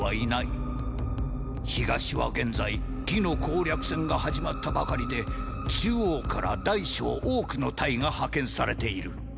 東は現在魏の攻略戦が始まったばかりで中央から大小多くの隊が派遣されている。